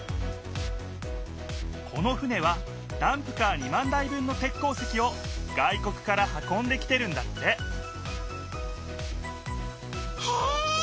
この船はダンプカー２万台分の鉄鉱石を外国から運んできてるんだってへえ！